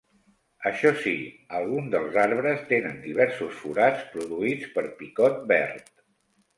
Això sí, alguns dels arbres tenen diversos forats produïts per picot verd.